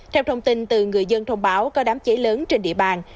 theo thông tin từ người dân thông báo có đám cháy lớn trên địa bàn